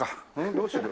どうする？